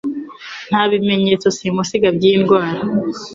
Nta bimeyetso simusiga by'iyi ndwara